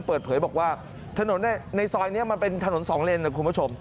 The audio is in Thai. เปิดเผยบอกว่าถนนในซอยนี้มันเป็นถนนสองเลนนะคุณผู้ชม